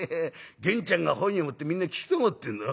源ちゃんが本読むってみんな聞きたがってんだ。